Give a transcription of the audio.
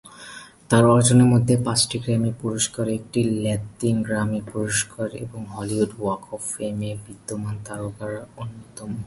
তার অর্জনের মধ্যে পাঁচটি গ্র্যামি পুরস্কার, একটি লাতিন গ্র্যামি পুরস্কার এবং হলিউড ওয়াক অফ ফেমে বিদ্যমান তারকা অন্যতম।